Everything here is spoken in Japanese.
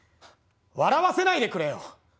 笑わせないでくれよ！